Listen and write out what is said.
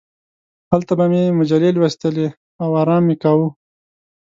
هلته به مې مجلې لوستلې او ارام مې کاوه.